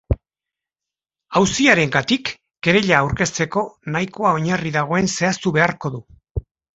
Auziarengatik kereila aurkezteko nahikoa oinarri dagoen zehaztu beharko du.